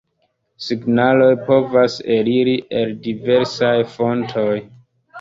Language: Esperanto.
Signaloj povas eliri el diversaj fontoj.